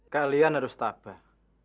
kalian harus tabah